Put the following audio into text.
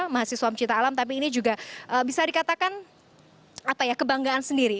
mahasiswa pencipta alam tapi ini juga bisa dikatakan kebanggaan sendiri